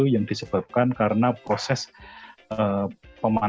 yang disebabkan karena proses pemakaman